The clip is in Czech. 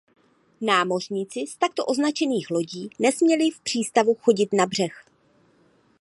Námořníci z takto označených lodí nesměli v přístavu chodit na břeh.